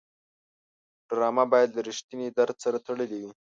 ډرامه باید له رښتینې درد سره تړلې وي